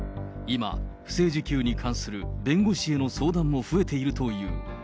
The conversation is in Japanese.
今、不正受給に関する弁護士への相談も増えているという。